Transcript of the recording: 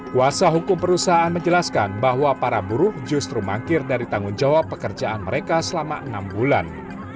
kuasa hukum perusahaan menjelaskan bahwa para buruh justru mangkir dari tanggung jawab pekerjaan mereka selama enam bulan